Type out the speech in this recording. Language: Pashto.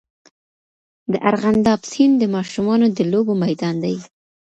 د ارغنداب سیند د ماشومانو د لوبو میدان دی.